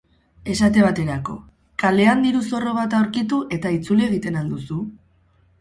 Esate baterako, kalean diruzorro bat aurkitu eta itzuli egiten al duzu?